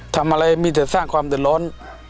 ทำอะไรมีแต่สร้างความเดือดร้อน